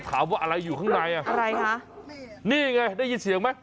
ถามว่าอะไรอยู่ข้างในอ่ะอะไรคะนี่ไงได้ยินเสียงไหม